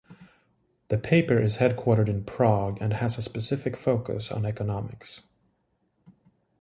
The paper is headquartered in Prague and has a specific focus on economics.